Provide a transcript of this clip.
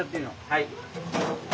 はい。